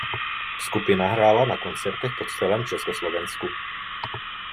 Skupina hrála na koncertech po celém Československu.